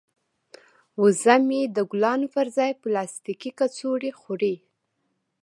وزه مې د ګلانو پر ځای پلاستیکي کڅوړې خوري.